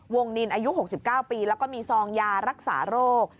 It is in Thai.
นินอายุ๖๙ปีแล้วก็มีซองยารักษาโรค